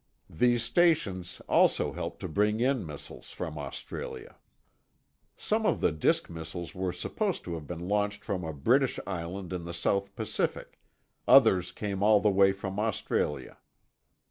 These stations also helped to bring in missiles from Australia. Some of the disk missiles were supposed to have been launched from a British island in the South Pacific; others came all the way from Australia.